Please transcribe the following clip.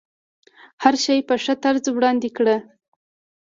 هر شی په ښه طرز وړاندې کړه.